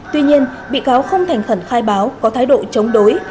tuy nhiên bị cáo không thành khẩn khai báo có thái độ chống đối